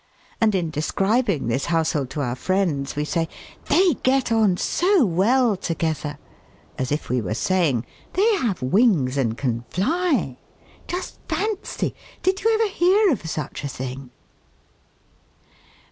And in describing this household to our friends, we say: 'They get on so well together,' as if we were saying: 'They have wings and can fly! Just fancy! Did you ever hear of such a thing?'